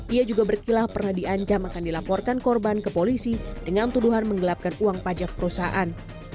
ia juga berkilah pernah diancam akan dilaporkan korban ke polisi dengan tuduhan menggelapkan uang pajak perusahaan